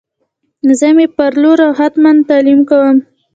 زه می پر لور او هتمن تعلیم کوم